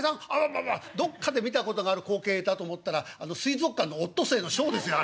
どっかで見たことがある光景だと思ったら水族館のオットセイのショーですよ